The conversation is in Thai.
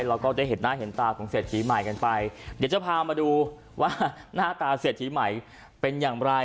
เราก็ได้เห็นหน้าเห็นตาของเศรษฐีใหม่กันไปเดี๋ยวจะพามาดูว่าหน้าตาเศรษฐีใหม่เป็นอย่างไร